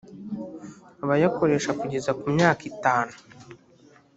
abayakoresha kugeza ku myaka itanu